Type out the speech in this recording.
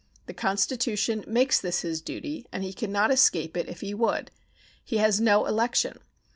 The Constitution makes this his duty, and he can not escape it if he would. He has no election.